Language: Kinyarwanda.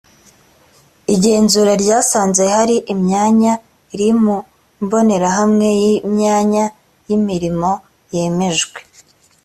igenzura ryasanze hari imyanya iri mu mbonerahamwe y’imyanya y’imirimo yemejwe